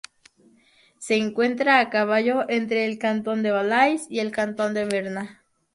Se encuentra a caballo entre el cantón del Valais y el cantón de Berna.